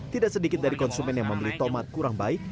tidak sedikit dari konsumen yang membeli tomat kurang baik